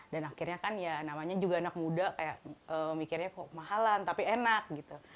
dan akhirnya kan ya namanya juga anak muda kayak mikirnya kok mahalan tapi enak gitu